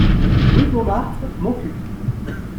Rue de Montmartre, Montcuq